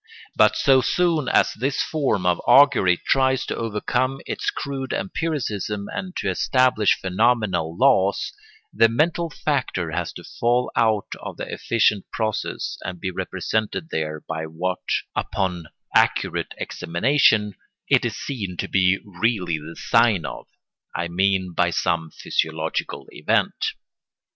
But so soon as this form of augury tries to overcome its crude empiricism and to establish phenomenal laws, the mental factor has to fall out of the efficient process and be represented there by what, upon accurate examination, it is seen to be really the sign of—I mean by some physiological event.